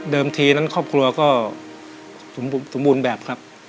ทีนั้นครอบครัวก็สมบูรณ์แบบครับ